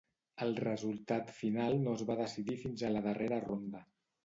El resultat final no es va decidir fins a la darrera ronda.